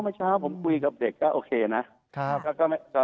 เมื่อเช้าผมคุยกับเด็กก็โอเคนะ